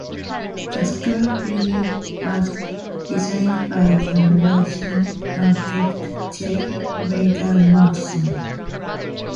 The school building was designed by the Racine architect J. Mandor Matson.